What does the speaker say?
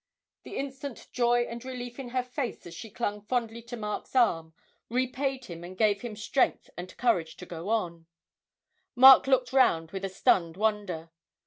The instant joy and relief in her face as she clung fondly to Mark's arm repaid him and gave him strength and courage to go on. Mark looked round with a stunned wonder.